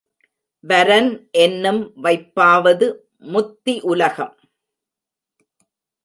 வரன் என்னும் வைப்பாவது முத்தியுலகம்.